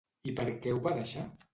I per què ho va deixar?